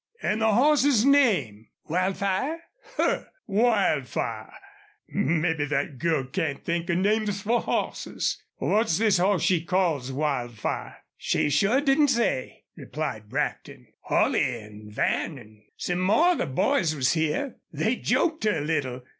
An' the hoss's name?" "Wildfire." "Huh! ... Wildfire. Mebbe thet girl can't think of names for hosses! What's this hoss she calls Wildfire?" "She sure didn't say," replied Brackton. "Holley an' Van an' some more of the boys was here. They joked her a little.